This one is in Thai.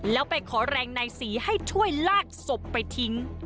แล้วไปขอแรงนายศรีให้ช่วยลากศพไปทิ้ง